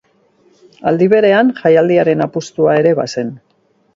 Aldi berean, jaialdiaren apustua ere bazen.